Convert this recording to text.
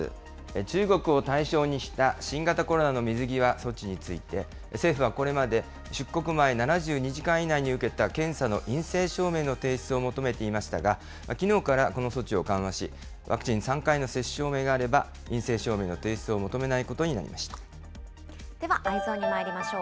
中国を対象にした新型コロナの水際措置について、政府はこれまで出国前７２時間以内に受けた検査の陰性証明の提出を求めていましたが、きのうからこの措置を緩和し、ワクチン３回の接種証明があれば、陰性証明の提出を求めないではＥｙｅｓｏｎにまいりましょう。